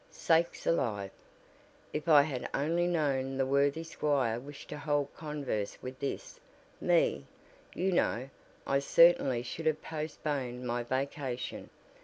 Sakes alive! If I had only known the worthy squire wished to hold converse with this me, you know, I certainly should have postponed my vacation.